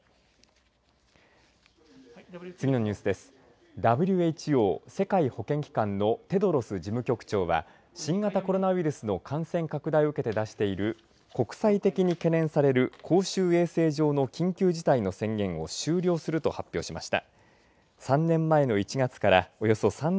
このあとも強い揺れＷＨＯ、世界保健機関のテドロス事務局長は新型コロナウイルスの感染拡大を受けて出している国際的に懸念される公衆衛生上の緊急事態の宣言を終了すると発表しました。